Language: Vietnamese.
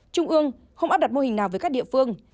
trung ương không áp đặt mô hình nào với các địa phương